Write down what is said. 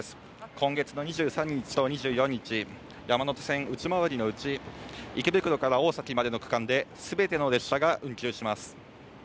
今月の２３日と２４日山手線内回りのうち池袋から大崎までの区間で全ての列車が運休します。